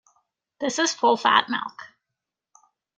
This is full-fat milk.